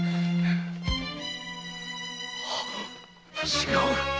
違う！